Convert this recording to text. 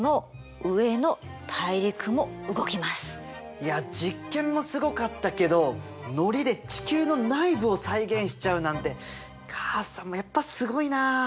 いや実験もすごかったけどのりで地球の内部を再現しちゃうなんて母さんもやっぱすごいなあ。